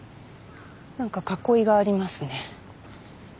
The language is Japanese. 何か囲いがありますね。